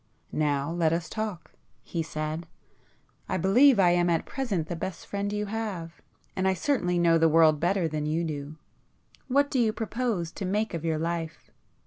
"Now let us talk,"—he said—"I believe I am at present the best friend you have, and I certainly know the world better than you do. What do you propose to make of your life?